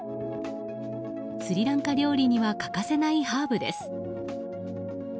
スリランカ料理には欠かせないハーブです。